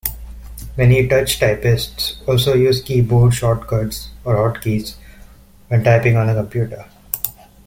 Many touch typists also use keyboard shortcuts or hotkeys when typing on a computer.